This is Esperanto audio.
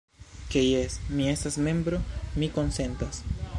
Ke jes, mi estas membro, mi konsentas.